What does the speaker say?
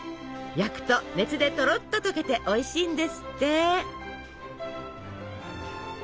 焼くと熱でとろっと溶けておいしいんですって。